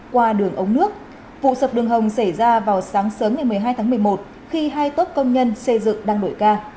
qua đường ống nước vụ sập đường hầm xảy ra vào sáng sớm ngày một mươi hai tháng một mươi một khi hai tốt công nhân xây dựng đang đổi ca